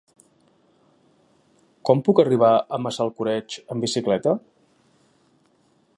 Com puc arribar a Massalcoreig amb bicicleta?